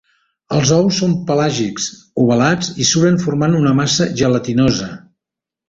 Els ous són pelàgics, ovalats i suren formant una massa gelatinosa.